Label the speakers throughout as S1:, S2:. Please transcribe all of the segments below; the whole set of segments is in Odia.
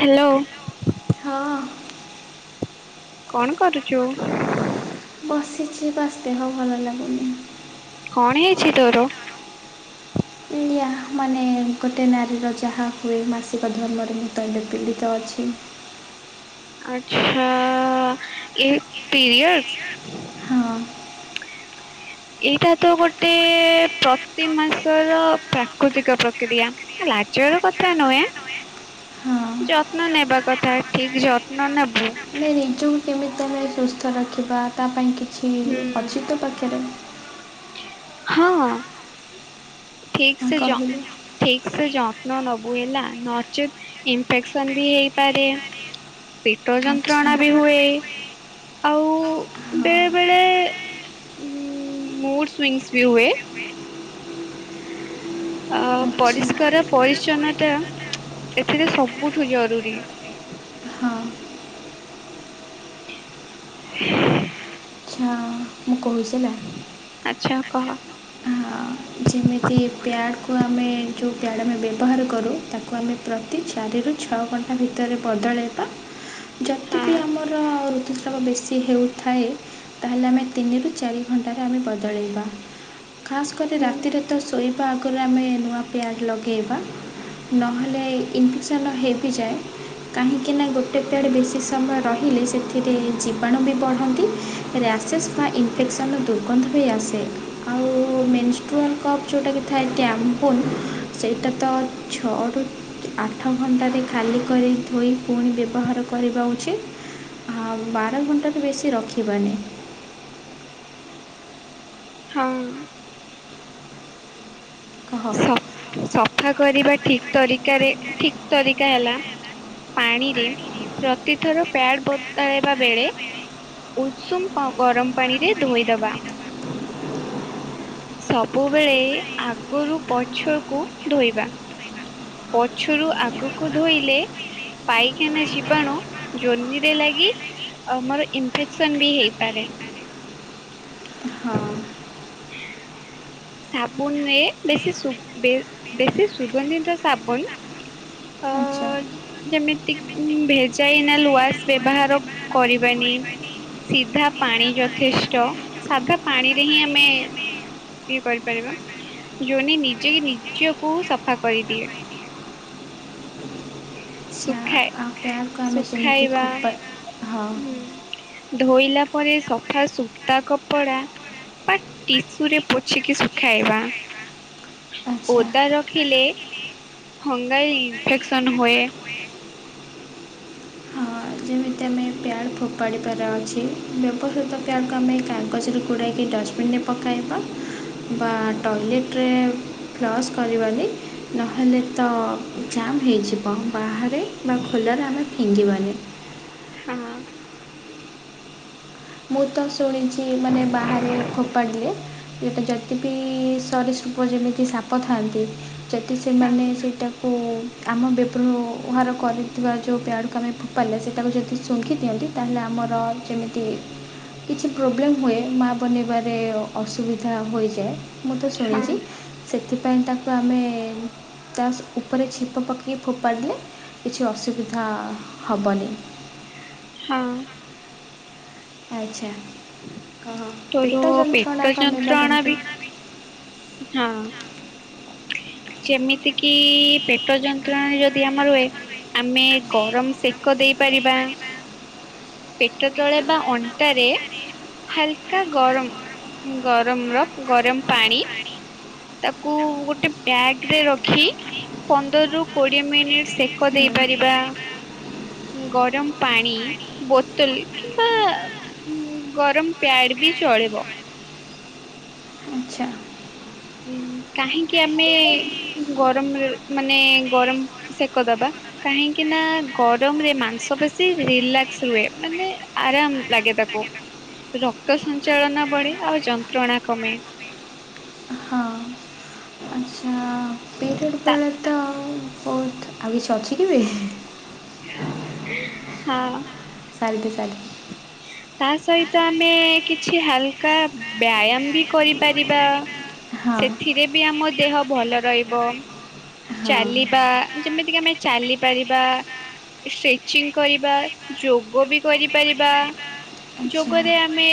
S1: ହାଲୋ।
S2: ହଁ।
S1: କଣ କରୁଛୁ?
S2: ବସିଛି ବାସ୍ ଦେହ ଭଲ ଲାଗୁନି।
S1: କଣ ହେଇଛି ତୋର?
S2: ଡିଆ ମାନେ ଗୋଟେ ନାରୀର ଯାହା ହୁଏ ମାସିକ ଧର୍ମରେ ମୁଁତ ଏବେ ପୀଡ଼ିତ ଅ ଛି।
S1: ଆଛା ଏ ପିରିୟଡ
S2: ହଁ।
S1: ଏଇଟା ତ ଗୋଟେ ପ୍ରତି ମାସର ପ୍ରାକୃତିକ ପ୍ରକ୍ରିୟା ହେଲା। ଆଚର କଥା ନୁହେଁ।
S2: [inaudible]
S1: ଯତ୍ନ ନେବା କଥା ଠିକ ଯତ୍ନ ନେବୁ।
S2: ହେଲେ ନିଜକୁ କେମିତି ଆମେ ସୁସ୍ଥ ରଖିବା ତା ପାଇଁ
S1: ହୁଁ
S2: ଅଛି ତୋ ପାଖରେ?
S1: ହଁ। ଠିକ
S2: ହଁ,
S1: ସେ ଯ
S2: କହିଲେ
S1: ଠିକ ସେ ଯତ୍ନ ନବୁ। ବୁ ହେଲା ନଚ ଇନ ପେଟ
S2: ଆଚ୍ଛା
S1: ଯନ୍ତ୍ରଣା
S2: ହଁ
S1: ବି ହୁଏ। ଆଉ ବେଳେ ବେଳେ ମୋର ସ୍ଵିଙ୍ଗସ୍ ବି ହୁଏ। ଅ
S2: ଆଚ୍ଛା
S1: ପରିଷ୍କାର ପରିଚ୍ଛନ୍ନତା ଏଥିରେ ସବୁଠୁ ଜରୁରୀ।
S2: ହଁ।
S1: [inaudible]
S2: ଆଚ୍ଛା ମୁଁ କହୁଛି ହେଲା।
S1: ଆଚ୍ଛା କହ।
S2: ହଁ ଯେମିତି ପ୍ୟାଡକୁ ଆମେ ଯୋଉ ପ୍ୟାଡ୍ ଆମେ ବ୍ୟବହାର କରୁ ତାକୁ ଆମେ ପ୍ରତି ଚାରିରୁ ଛଅ ଘଣ୍ଟା ଭିତରେ ବଦଳେଇବା ଯଦି
S1: ହଁ
S2: ବିି ଆମର ଋତୁସ୍ରାବ ବେଶୀ ହେଉଥାଏ ତାହେଲେ ଆମେ ତିନିରୁ ଚାରି ଘଣ୍ଟାରେ ଆମେ ବଦଳେଇବା ଖାସ୍ କରି
S1: ହୁଁ
S2: ରାତିରେ ତ ଶୋଇ ବା ଆଗରୁ ଆମେ ନୂଆ ପ୍ୟାଡ୍ ଲଗେଇବା। ନହେଲେ ଇନଫେକ୍ସନ ହେଇବି ଯାଏ। କାହିଁକି ନା ଗୋଟେ ପ୍ୟାଡ୍ ବେଶି ସମୟ ରହିଲେ ସେଥିରେ ଜୀବାଣୁ ବି ବଢ଼ନ୍ତି ରା ରାସେସ୍ ବା ଏଫେକ୍ସନ ଦୁର୍ଗନ୍ଧ ବି ଆସେ ଆଉ ମେନସ୍ ଟ୍ରୁନକପ୍ ଯୋଉଟାକି ଥାଏ ଟ୍ୟାମ୍ପୁନ୍ ସେଇଟା ତ ଛଅରୁ ଆଠ ଘଣ୍ଟାରେ ଖାଲି କରି ଧୋଇ ପୁଣି ବ୍ୟବହାର କରିବା ଉଚିତ୍। ହଁ ବାର ଘଣ୍ଟାରୁୁ ବେଶୀ ରଖିବାନି।
S1: ହଁ।
S2: କହ
S1: ସ-ସଫା କରିବା ଠିକ ତରିକାରେ ଠିକ ତରିକା ହେଲା ପାଣିରେ ପ୍ରତିଥର ପ୍ୟାଡ ବଦଳେଇବା ବେଳେ ଉଷୁମ୍ ପ-ଗରମ ପାଣିରେ ଧୋଇଦବା। ସବୁବେଳେ ଆଗରୁ ପଛକୁ ଧୋଇବା। ପଛରୁ ଆଗକୁ ଧୋଇଲେ ପାଇଖେନା ଜୀବାଣୁ ଜୋନିରେ ଲାଗି ଆମର ଇନଫେକ୍ସନ୍ ବି ହେଇପାରେ।
S2: [inaudible]
S1: [inaudible] ସାବୁନରେ ବେଶୀ ସୁ ବେ-ବେଶୀ ସୁଗନ୍ଧିତ ସାବନ୍
S2: ଆଛ୍
S1: ଅ-ଯେମିତି ଭେଜାଇନାଲ୍ ୱାସ୍ ବ୍ୟବହାର କରିବାନି। ସିଧା ପାଣି ଯଥେଷ୍ଟ ସାଧା ପାଣିରେ ହିଁ ଆମେ ଇଏ କରିପାରିବା ଜୋନି ନିଜେ ନିଜକୁ ସଫା କରିଦିଏ। ସୁଖାଏ।
S2: ଏହାକୁ ଆମେ ସେମିତି ଖୋପା ହଁ।
S1: ହୁଁ। ଧୋଇଲା ପରେ ସଫା ସୁତା କପଡ଼ା ବା ଟିସୁରେ ପୋଛିକିି ଶୁଖାଇବା।
S2: ଆଚ୍ଛା
S1: ଓଦା ରଖିଲେ ଫଙ୍ଗାଇଲ୍ ଇନଫେକ୍ସନ ହୁଏ।
S2: ପ୍ୟାଡ଼୍ ଫୋପାଡ଼ିିବାର ଅଛି ବ୍ୟବହୃତ ପ୍ୟାଡ଼କୁ ଆମେ କାଗଜରେ ଗୁଡ଼ାଇକି ଡଷ୍ଟବିନରେ ପକାଇ ବା ଟଏଲେଟରେ ଫ୍ଲସ୍ କରିବନି ନହେଲେ ତ ଜାମ୍ ହେଇଯିବ ବାହାରେ ବା ଖୋ ଖୋଲାରେ ଆମେ ପିଙ୍ଗିବାନି
S1: ହଁ।
S2: ମୁଁ ତ ଶୁଣିଚି ମାନେ ବାହାରେ ଫୋପାଡ଼ିଲେ ଗୋଟେ ଜା ଯେ ବି ସରିସୃପ ଯେମିତି ସାପ ଥାଆନ୍ତି ଯଦି ସେମାନେ
S1: ହଁ।
S2: ସେଟାକୁ ଆମ ବେବହାର କରିଥିବା ଯୋଉ ପ୍ୟାଡକୁ ଆମେ ଫୋପାଡିଲେ ସେଟାକୁ ଯଦି ସୁଙ୍ଘିଦିଅନ୍ତି ତାହେଲେ ଆମ୍ ମୋର ସେମିତି କିଛି ପ୍ରୋବ୍ଲେମ୍ ହୁଏ ମାଆ ବନିବାରେ ଅସୁବିଧା ହୋଇଯାଏ। ମୁଁ ତ
S1: ହଁ
S2: ଶୁଣିଚି ସେଥିପାଇଁ ତାକୁ ଆମେ ତା ଉପରେ ଛେପ ପକେଇ ଫୋପାଡିଲେ ହବନେଇ।
S1: ହଁ।
S2: ଆଚ୍ଛା। ଅହ
S1: ତୋର
S2: ପେଟ
S1: ପେଟ
S2: ଯନ୍ତ୍ରଣା କମେଇବା
S1: ଯନ୍ତ୍ରଣା ବି
S2: କେମିତି?
S1: ହଁ ଯେମିତି କିି ପେଟ ଯନ୍ତ୍ରଣା ଯଦି ଆମର ହୁଏ ଆମେ ଗରମ୍ ସେକ ଦେଇପାରିବା। ପେଟ ତଳେ ବା ଅଣ୍ଟାରେ ହାଲକା ଗରମ ଗରମ ର ଗରମ ପାଣି ତାକୁ ଗୋଟେ ବ୍ୟାଗ୍ ରେ ରଖି ପନ୍ଦର ରୁ କୋଡ଼ିଏ ମିନିଟ୍ ସେକ ଦେଇ
S2: ହୁଁ।
S1: ପାରିବା। ଗରମ ପାଣି ବୋତଲ କିମ୍ବା ଉ ଗରମ ପ୍ୟାଡ୍ ବି ଚଳିବ।
S2: ଆଚ୍ଛା
S1: ଉ କାହିଁକି ଆମେ ଗରମ ର ମାନେ ଗରମ ସେକଦବା? କାହିଁକି ନା ଗରମରେ ମାଂସ ପେଶୀ ରିଲାକ୍ସ୍ ହୁଏ ମାନେ ଆରାମ ଲାଗେ। ତାକୁ ରକ୍ତ ସଞ୍ଚାଳନା ବଢ଼େ ଆଉ ଯନ୍ତ୍ରଣା କମେ।
S2: ହଁ ଆଚ୍ଛା ପିରିୟଡ଼
S1: ତା
S2: ବେଳେ ତ ବହୁତ ଆଉ କିଛି ଅଛି କିବେ?
S1: ହଁ।
S2: ସାରି ଦେ ସାରି
S1: ତା ସହିତ ଆମେ କିଛି ହାଲକା ବ୍ୟାୟାମ୍ ବି କରିପାରିବା।
S2: ହଁ
S1: ସେଥିରେ ବି ଆମ ଦେହ ଭଲ ରହିବ
S2: ହଁ।
S1: ଚାଲିବା। ଯେମିତିକି ଆମେ ଚାଲିପାରିବା। ଷ୍ଟ୍ରେଚିଂ କରିବା ଯୋଗ ବି କରିପାରିବା।
S2: ଆଚ୍ଛା।
S1: ଯୋଗରେ ଆମେ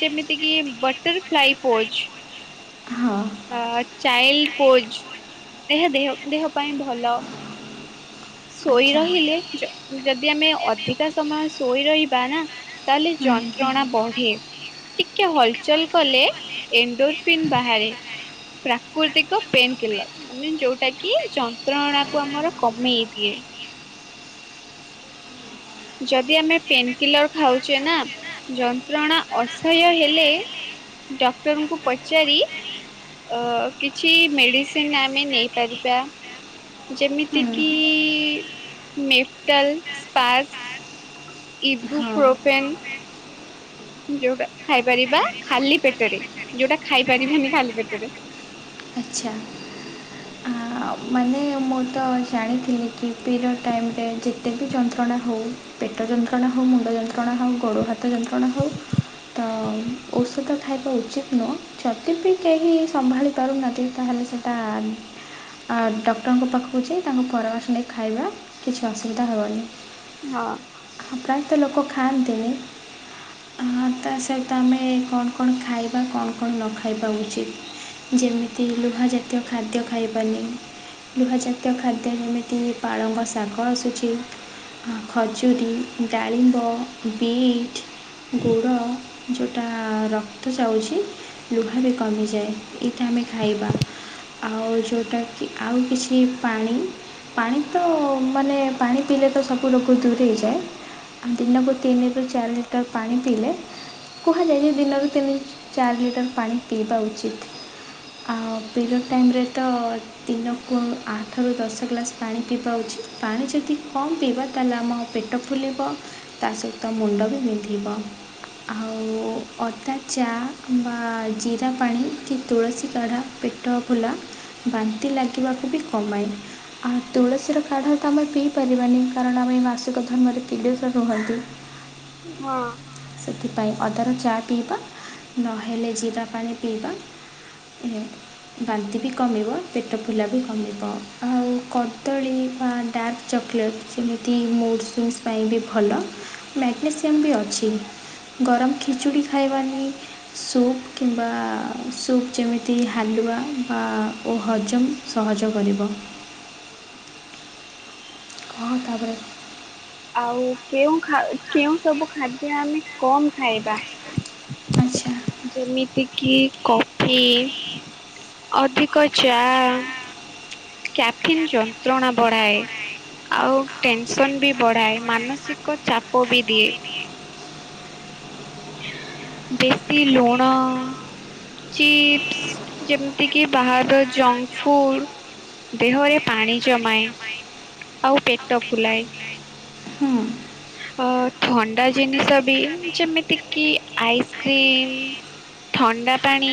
S1: ଯେମିତି କିି ବଟରଫ୍ଲାଇ ପୋଚ୍
S2: ହଁ।
S1: ଅ ଚାଇଲ୍ଡ ପୋଜ୍ ଏହା ଦେହ ଦେହ ପାଇଁ ଭଲ। ଶୋଇ
S2: ଆଚ୍ଛା ହୁଁ
S1: ରହିଲେ ଯ ଯଦି ଆମେ ଅଧିକା ସମୟ ଶୋଇରହିବା ନା ତାହେଲେ ଯନ୍ତ୍ରଣା ବଢ଼େ। ଟିକେ ହଲ୍ ଚଲ୍ କଲେ ଏନ୍ ଡୋରଫିନ୍ ବାହାରେ। ପ୍ରାକୃତିକ ପେନ୍ କିଲର ମାନେ ଯୋଉଟା କି ଯନ୍ତ୍ରଣା କୁ ଆମର କମେଇ ଦିଏ। ଯଦି ଆମେ ପେନ୍ କିଲର ଖାଉଛେ ନା ଯନ୍ତ୍ରଣା ଅସହ୍ୟ ହେଲେ ଡକ୍ଟରଙ୍କୁ ପଚାରି ଅ କିଛି ମେଡ଼ିସିନ୍ ଆମେ ନେଇପାରିବା। ଯେମିତି କିି ମେଫଟାଲ୍ସ୍ [unintelligible]
S2: ହୁଁ
S1: ଇଦ୍ବୁଫ
S2: ହଁ
S1: ରୋପେନ୍ ଯୋଉଟା ଖାଇପାରିବା ଖାଲି ପେଟରେ ଯୋଉଟା ଖାଇ ପାରିବାନି ଖାଲି ପେଟରେ।
S2: ଆଚ୍ଛା ‌। ମୁଁ ତ ଜାଣିଥିଲି [unintelligible] ଯେତେ ବି ଯନ୍ତ୍ରଣା ହଉ ପେଟ ଯନ୍ତ୍ରଣାହୋଉ ମୁଣ୍ଡ ଯନ୍ତ୍ରଣା ଯନ୍ତ୍ରଣା ହେଉ ଗୋଡ଼ ହାତ ଯନ୍ତ୍ରଣା ହଉ ତ ଔଷଧ ଖାଇବା ଉଚିତ୍ ନୁହଁ ଯଦି ବି କେହି ସମ୍ଭାଲି ପାରୁନାହାନ୍ତି ତାହେଲେ ସେଟା ଆ ଡକ୍ଟରଙ୍କ ପାଖକୁ ଯାଇ ତାଙ୍କୁ ପରାମର୍ଶ ନେଇ ଖାଇବା କିଛି ଅସୁବିଧା ହେବନି।
S1: ହଁ
S2: ପ୍ରାୟତଃ ଲୋକ ଖାଆନ୍ତିନି। ହଁ ତା ସହିତ ଆମେ କଣ କଣ ଖାଇବା କଣ କଣ ନ ଖାଇବା ଉଚିତ୍। ଯେମିତି ଲୁହା ଜାତୀୟ ଖାଦ୍ୟ ଖାଇବାନି। ଲୁହାଜାତୀୟ ଖାଦ୍ୟ ଯେମିତି ପାଳଙ୍ଗ ଶାଗ ଆସୁଛି। ଖଜୁରୀ, ଡାଳିମ୍ବ, ବିଟ୍। ଗୁଡ଼ ଯୋଉଟା ରକ୍ତ ଯାଉଛି ଲୁହା ବି କମିଯାଏ ଏଇଟା ଆମେ ଖାଇବା ଆଉ ଯୋଉଟା କି ଆଉ କିଛି କି ପାଣି ପାଣି ତ ମାନେ ପାଣି ପିଇଲେ ତ ସବୁ ରୋଗ ଦୂରେଇ ଯାଏ। ଦିନକୁ ତିନିରୁ ଚାରି ଲିଟର ପାଣି ପିଇଲେ କୁହାଯାଏ ଯେ ଦିନରୁ ତିନି ଚାରି ଲିଟର ପାଣି ପିଇବା ଉଚିତ୍। ଆଉ ପିରିଅଡ଼୍ ଟାଇମ ରେ ତ ଦିନ କୁ ଆଠରୁ ଦଶ ଗ୍ଲାସ୍ ପାଣି ପିଇବା ଉଚିତ୍ ପାଣି ଯଦି କମ୍ ପିଇବା ତା ହେଲେ ଆମ ପେଟ ଫୁଲି ବ ତା ସହିତ ମୁଣ୍ଡ ବି ବିନ୍ଧିବ। ଆଉ ଅଦା ଚା ବା ଜିରା ପାଣି କି ତୁଳସୀ କଢ଼ ପେଟ ଫୁଲା ବାନ୍ତି ଲାଗିବାକୁ ବି କମାଏ। ଆଉ ତୁଳସୀର କାଢା ତ ଆମେ ପିଇ ପାରିବାନି କାରଣ ଆମେ ଏ ମାସିକ ଧର୍ମରେ ତିିଲଶ ରୁହନ୍ତି।
S1: ହଁ
S2: ସେଠି ପାଇ ଅଦାର ଚା ପିଇବା ନହେଲେ ଜିରା ପାଣି ପିଇବା। ବାନ୍ତି ବି କମିବ ପେଟ ଫୁଲା ବି କମିବ ଆଉ କଦଳୀ ବା ଡାର୍କ ଚକୋଲେଟ୍ ଯେମିତି [unintelligible] ପାଇଁ ବି ଭଲ ମ୍ୟାଗ୍ନେସି ସିଅମ ବି ଅଛି ଗରମ ଖିଚୁଡ଼ି ଖାଇବାନି ସୁପ୍ କିମ୍ବା ସୁପ୍ ଯେମିତି ହାଲୁଆ ବା ଓହ ଜମ ସହଜ କରିବ। କଁ ତାପରେ
S1: ଆଉ କେଉ ଖା କେଉଁ ସବୁ ଖାଦ୍ୟ ଆମେ କମ ଖାଇବା?
S2: ଆଚ୍ଛା
S1: ଯେମିତି କିି କଫି ଅଧିକ ଚା କ୍ୟାଫିନ ଯନ୍ତ୍ରଣା ବଢ଼ାଏ। ଆଉ ଟେନସନ ବି ବଢାଏ ମାନସିକ ଚାପ ବି ଦିଏ। ବେଶୀ ଲୁଣ ଚିପ୍ସ ଯେମିତି କିି ବାହାରର ଜଙ୍କ ଫୁଡ଼ ଦେହରେ ପାଣି ଜମାଏ ଆଉ ପେଟ ଫୁଲାଏ।
S2: ହଁ
S1: ଅ ଥଣ୍ଡା ଜିନିଷ ବି ଯେମିତି କିି ଆଇସ୍କ୍ରିମ ଥଣ୍ଡା ପାଣି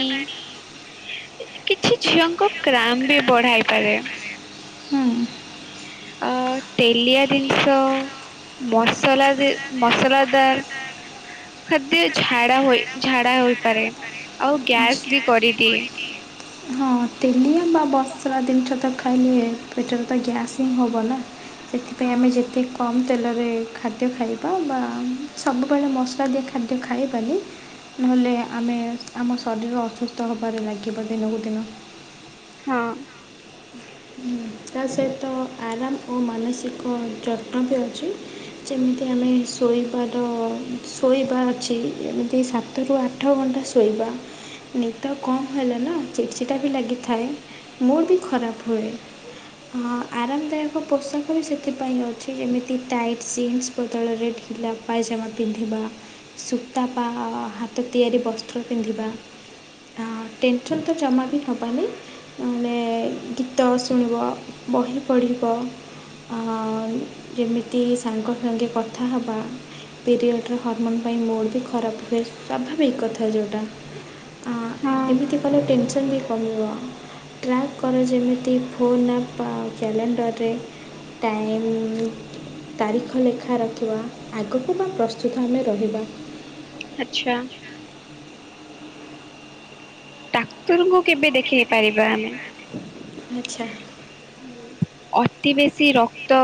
S1: କିଛି ଝିଅଙ୍କ କ୍ରାମ ବି ବଢାଇପାରେ
S2: ହଁ [inaudible]
S1: ତେଲିଆ ଜିନିଷ ମସଲା ମସଲାଦାର ଖାଦ୍ୟ ଝାଡ଼ା ହୋଇ ଝାଡ଼ା ହୋଇପାରେ। ଆଉ ଗ୍ୟାସ ବି କରିଦିଏ।
S2: ହଁ। ହଁ ତେଲିଆ ବା ବସ୍ରା ଜିନିଷ ତ ଖାଇଲେ ପେଟରେ ତ ଗ୍ୟାସ୍ ହିଁ ହେବ ନା। ସେଥିପାଇଁ ଆମେ
S1: ହଁ।
S2: ଯେତେ କମ୍ ତେଲ ରେ ଖାଦ୍ୟ ଖାଇବା ବା ସବୁବେଳେ ମସଲା ଦିଆ ଖାଦ୍ୟ ଖାଇବାନି ନହେଲେ ଆମେ ଆମ ଶରୀର ଅସୁସ୍ଥ ହେବାରେ ଲାଗିବ ଦିନକୁ ଦିନ।
S1: ହଁ।
S2: ତା ସହିତ ଆରାମ ଓ ମାନସିକ ଯତ୍ନ ବି ଅଛି। ଯେମିତି ଆମେ ଶୋଇବାର ଶୋଇବା ଅଛି ଏମିତି ସାତରୁ ଆଠ ଘଣ୍ଟା ଶୋଇବା ନି ତ କମ୍ ହେଲା ନା ଚିଡ୍ ଚିଡା ବି ଲାଗିଥାଏ। ମୁଡ୍ ବି ଖରାପ ହୁଏ। ହଁ ଆରାମଦାୟକ ପୋଷାକ ବି ସେଥିପାଇଁ ଅଛି ଯେମିତି ଟାଇଟ୍ ଜିନ୍ସ ବଦଳରେ ମ ପାଇଜାମା ପିନ୍ଧିବା ସୂତା ବା ହାତ ତିଆରି ବସ୍ତ୍ର ପିନ୍ଧିବା ଟେନସନ୍ ତ ଜମା ବି ହେବାନି ମାନେ ଗୀତ ଶୁଣିବ ବହି ପଢ଼ିବ। ଯେମିତି ସାଙ୍ଗ ସାଙ୍ଗେ କଥା ହେବା। ପିରିଅଡ଼୍ର ହର୍ମୋନ୍ ପାଇଁ ମୋଡ଼୍ ବି ଖରାପ ହୁଏ। ସ୍ୱାଭାବିକ କଥା ଯେଉଁଟା
S1: ହଁ
S2: ଏମିତି କଲେ ଟେନସନ୍ ବି କମିବ ଟ୍ରାକ୍ କର ଯେମିତି ଫୋନ୍ ଆପ କ୍ୟାଲେଣ୍ଡର୍ରରେ ଟାଇମ୍ ତାରିଖ ଲେଖା ରଖିବା ଆଗକୁ ବା ପ୍ରସ୍ତୁତ ଆମେ ରହିବା।
S1: ଆଚ୍ଛା। ଡାକ୍ତରଙ୍କୁ କେବେ ଦେଖେଇ ପାରିବା ଆମେ
S2: ଆଚ୍ଛା।
S1: ଅତି ବେଶୀ ରକ୍ତ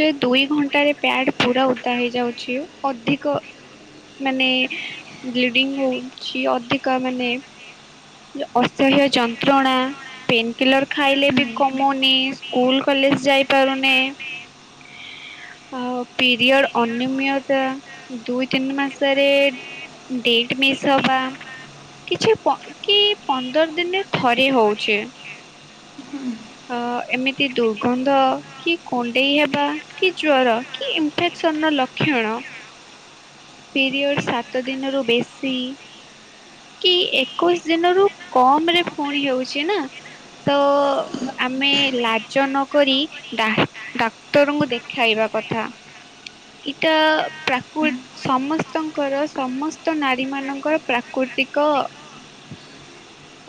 S1: ଯ ଦୁଇ ଘଣ୍ଟାରେ ପ୍ୟାଡ ପୁରା ଓଦା ହେଇ ଯାଉଛି ଅଧିକ ମାନେ ବ୍ଲିଡିଙ୍ଗ ହଉଛି ଅଧିକା ମାନେ ଅସହ୍ୟ ଯନ୍ତ୍ରଣା ପେନ୍ କିଲର ଖାଇଲେ ବି କମୁନି ସ୍କୁଲ କଲେଜ ଯାଇପାରୁନେ। ଆଉ ପିରିୟଡ଼ ଅନିୟମତା। ଦୁଇ ତିନି ମାସରେ ଡେଟ୍ ମିସ୍ ହବା। କିଛି କି ପନ୍ଦର ଦିନ ରେ ଥରେ ହଉଚେ। ଅ ଏମିତି ଦୁର୍ଗନ୍ଧ କି କୁଣ୍ଡେଇ ହେବା କି ଜ୍ଵର କି ଇନ୍ଫେକ୍ ସନ ର ଲକ୍ଷଣ ପିରିୟଡ଼ ସାତ ଦିନରୁ ବେଶୀ କି ଏକୋଇଶି ଦିନରୁ କମ ରେ ପୁଣି ହେଉଛି ନା। ତ ଆମେ ଲାଜ ନକରି ଡା ଡାକ୍ତରଙ୍କୁ ଦେଖେଇବା। କଥା ଏଇଟା ପ୍ରାକୃ ସମସ୍ତଙ୍କର ସମସ୍ତ ନାରୀ ମାନଙ୍କର ପ୍ରାକୃତି ତିକ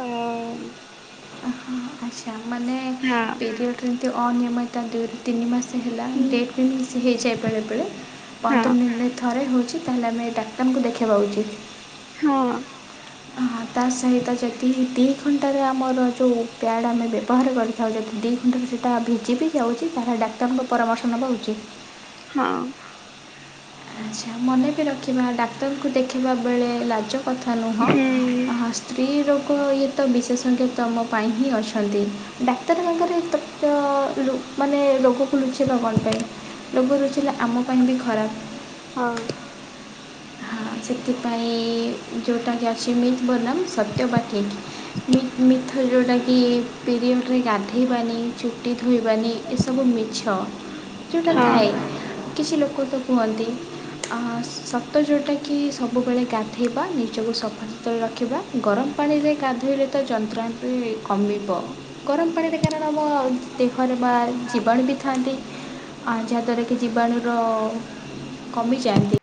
S1: ଅ ହଁ
S2: ପିରିୟଡ଼ ରେ ଏମିତି ଅନିମିୟତା ଡେଟ୍ ତିନି ମାସ୍ ହେଲା
S1: ହୁଁ
S2: ଡେଟ୍ ବି ମିସ୍ ହେଇଯାଏ ବେଳେ ବେଳେ।
S1: ହଁ
S2: ପନ୍ଦର ଦିନରେ ଥରେ ହେଉଛି ତାହେଲେ ଆମେ ଡାକ୍ତରଙ୍କୁ ଦେଖ
S1: ହଁ।
S2: ହଁ ତା ସହିତ ଯଦି ଦି ଘଣ୍ଟାରେ ଆମର ଯୋଉ ପ୍ୟାଡ୍ ଆମେ ବ୍ୟ ବହାର କରିଥାଉ। ଯଦି ଦୁଇ ଘଣ୍ଟାରେ ସେଇଟା ଭିଜି ବି ଯାଉଛି ତାହେଲେ ଡାକ୍ତରଙ୍କ ପରାମର୍ଶ ନେବା ଉଚିତ୍।
S1: ହଁ।
S2: ଆଚ୍ଛା ମନେ ବି ରଖିବା ଡାକ୍ତରଙ୍କୁ ଦେଖେଇବା ବେଳେ ଲାଜ କଥା ନୁହଁ।
S1: ହୁଁ
S2: ସ୍ତ୍ରୀ ରୋଗ ଇଏ ତ ବିଶେଷଜ୍ଞ ତମ ପାଇଁ ହିଁ ଅଛନ୍ତି। ଡାକ୍ତର [unintelligible] ମାନେ ରୋଗକୁ ଲୁଚେଇବା କଣ ପାଇଁ? ରୋଗ ଲୁଚେଇଲେ ଆମ ପାଇଁ ବି ଖରାପ।
S1: ହଁ।
S2: ସେଥିପାଇଁ ଯୋଉଟାକି ଅଛି ମିଥ୍ ବନାମ ସତ୍ୟ ବା ଠିକ୍ ମି ମିଥ ଯେଉଁଟା କିି ପିରିଅଡ଼ରେ ଗାଧେଇବାନି ଚୁଟି ଧୋଇବାନି ଏସବୁ ମିଛ। ଯେଉଁଟା ଥାଏ।
S1: ହଁ।
S2: କିଛି ଲୋକତ କୁହନ୍ତି ହଁ ସତ ଯୋଉ କି କି ସବୁବେଳେ ଗାଧୋଇବା, ନିଜକୁ ସଫା ସୁତୁରା ରଖିବା ଗରମ ପାଣିରେ ଗାଧୋଇଲେ ତ ଯନ୍ତ୍ର ଣା ବି କମିବ। ଗରମ ପାଣିରେ କାରଣ ଆମ ଦେହରେ ବା ଜୀବାଣୁ ବି ଥାଆନ୍ତି ଅ ଯାହା ଦ୍ୱାରା କି ଜୀବାଣୁର କମିଯାଆନ୍ତି।